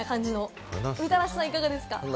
みたらしさん、いかがですか？